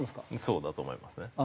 そうだと思いますね。